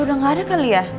udah gak ada kali ya